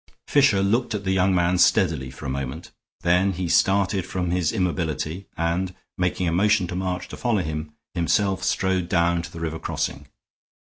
Fisher looked at the young man steadily for a moment; then he started from his immobility and, making a motion to March to follow him, himself strode down to the river crossing.